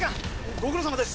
ご苦労さまです！